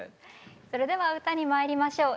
それでは歌にまいりましょう。